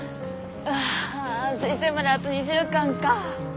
うあ推薦まであと２週間か。